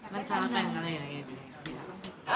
มันช้าแล้วกันอะไรอย่างไร